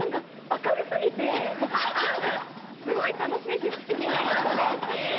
明るすぎて、すごい楽しい気持ちになりました。